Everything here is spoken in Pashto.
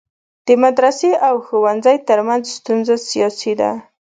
د مدرسي او ښوونځی ترمنځ ستونزه سیاسي ده.